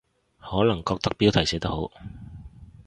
可能覺得標題寫得好